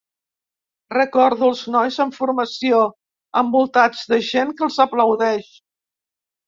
Recordo els nois en formació, envoltats de gent que els aplaudeix.